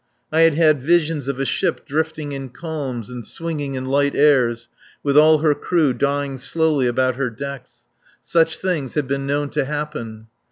I had had visions of a ship drifting in calms and swinging in light airs, with all her crew dying slowly about her decks. Such things had been known to happen.